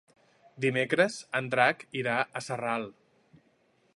Dimecres en Drac irà a Sarral.